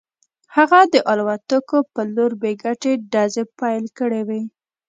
هغه د الوتکو په لور بې ګټې ډزې پیل کړې وې